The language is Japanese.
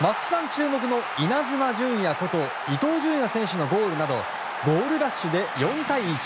注目のイナズマ純也こと伊東純也選手のゴールなどゴールラッシュで４対１。